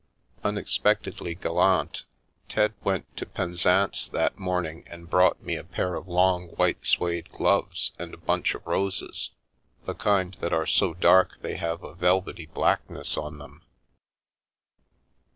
Unexpectedly gallant, Ted went to Penzance that morning and brought me a pair of long white sxtbde gloves and a bunch of roses — the kind that are so dark they have a velvety blackness on them.